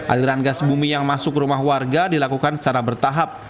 aliran gas bumi yang masuk ke rumah warga dilakukan secara bertahap